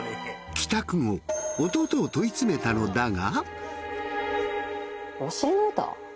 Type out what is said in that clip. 帰宅後弟を問い詰めたのだが。